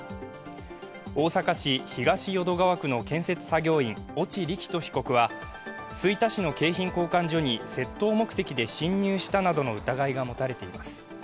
大阪市東淀川区の建設作業員越智力斗被告は吹田市の景品交換所に窃盗目的で侵入したなどの疑いが持たれています。